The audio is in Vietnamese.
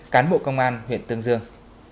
cán bộ công an huyện tương dương